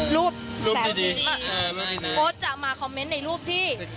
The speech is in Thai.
ไลฟ์โอ๊ตจะมาคอมเม้นต์ในรูปที่